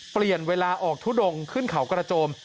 เปลี่ยนเวลาออกทุดงขึ้นเขากระโจม